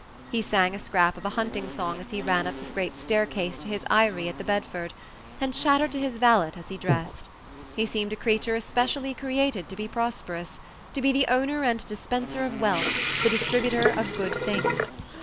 He sang a scrap of a hunting song as he ran up the great staircase to his eyry at the Bedford, and chattered to his valet as he dressed. He seemed a creature especially created to be prosperous to be the owner and dispenser of wealth, the distributor of good things.